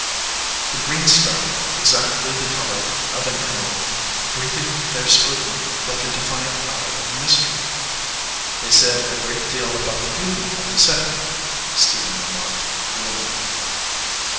The green stone, exactly the color of an emerald, greeted their scrut iny like a defiant eye of mystery. "They said a great deal about the beauty of the setting," Stephen remarked, gloomily.